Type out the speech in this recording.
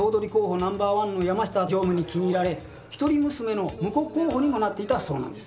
ナンバーワンの山下常務に気に入られ一人娘の婿候補にもなっていたそうなんです。